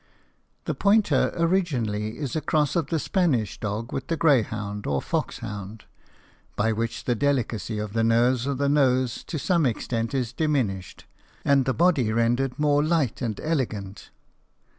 The pointer originally is a cross of the Spanish dog with the greyhound, or foxhound, by which the delicacy of the nerves of the nose, to some extent, is diminished, and the body rendered more light and elegant.